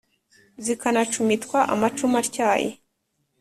zikanacumitwa amacumu atyaye